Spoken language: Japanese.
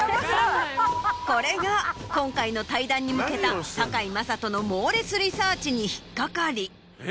これが今回の対談に向けた堺雅人の猛烈リサーチに引っ掛かり。